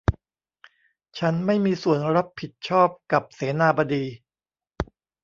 ฉันไม่มีส่วนรับผิดชอบกับเสนาบดี